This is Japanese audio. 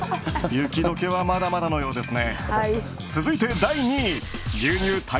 雪解けはまだまだのようですね。